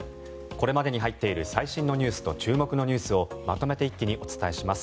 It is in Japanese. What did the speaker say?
これまでに入っている最新ニュースと注目ニュースをまとめて一気にお伝えします。